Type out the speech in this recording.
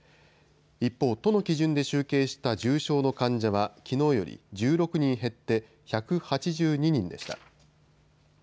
一方、都の基準で集計した重症の患者はきのうより１６人減って１８２人でした。